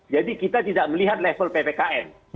jadi kita tidak melihat level ppkn